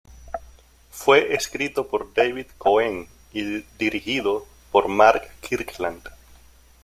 Fue escrito por David Cohen y dirigido por Mark Kirkland.